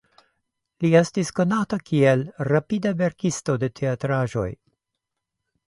Li estis konata kiel rapida verkisto de teatraĵoj.